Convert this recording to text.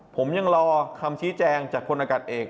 ผมยังรอคำชี้แจงจากคนอากาศเอก